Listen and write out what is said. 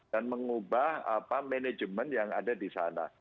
dan mengubah manajemen yang ada di sana